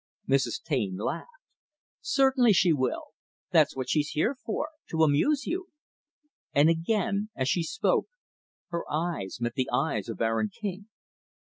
Mrs. Taine laughed. "Certainly, she will. That's what she's here for to amuse you." And, again, as she spoke, her eyes met the eyes of Aaron King.